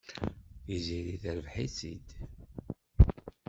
Tiziri terbeḥ-itt-id.